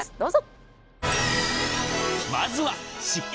どうぞ。